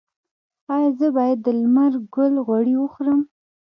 ایا زه باید د لمر ګل غوړي وخورم؟